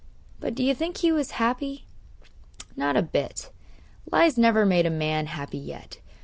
But do you think he was happy? Not a bit. Lies never made a man happy yet.